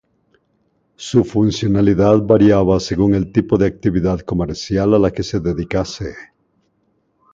Su funcionalidad variaba según el tipo de actividad comercial a la que se dedicase.